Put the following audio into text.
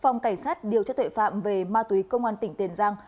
phòng cảnh sát điều tra tuệ phạm về ma túy công an tỉnh tiền giang